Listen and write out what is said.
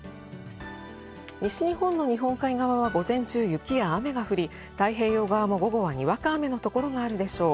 西日本の日本海側は午前中、雪や雨が降り、太平洋側も午後は、にわか雨のところがあるでしょう。